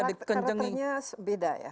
karakternya beda ya